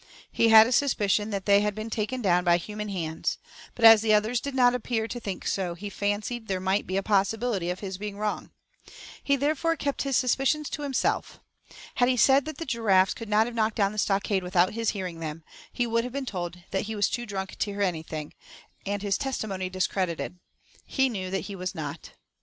He had a suspicion that they had been taken down by human hands; but, as the others did not appear to think so, he fancied there might be a possibility of his being wrong. He therefore kept his suspicions to himself. Had he said that the giraffes could not have knocked down the stockade without his hearing them, he would have been told that he was too drunk to hear anything, and his testimony discredited. He knew that he was not.